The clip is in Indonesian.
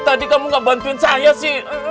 tadi kamu gak bantuin saya sih